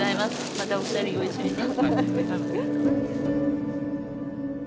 またお二人ご一緒にね。